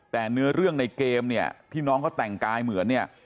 แต่เนื้อเรื่องในเกมเนี่ยที่น้องเขาแต่งกายเหมือนเนี่ย